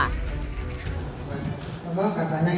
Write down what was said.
ketua katanya emosi karena kejualan itu padan dari anak